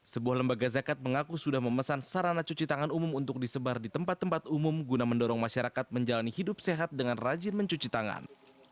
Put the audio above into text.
sebuah lembaga zakat mengaku sudah memesan sarana cuci tangan umum untuk disebar di tempat tempat umum guna mendorong masyarakat menjalani hidup sehat dengan rajin mencuci tangan